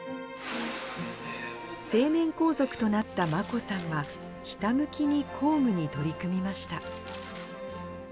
成年皇族となった眞子さんは、ひたむきに公務に取り組みました。